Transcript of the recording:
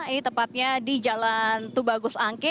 ini tepatnya di jalan tubagus angke